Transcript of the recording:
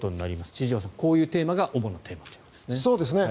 千々岩さん、こういうテーマが主なテーマということですね。